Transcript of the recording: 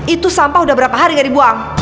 itu sampah udah berapa hari gak dibuang